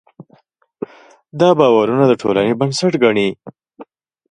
دا باورونه د ټولنې بنسټ ګڼي.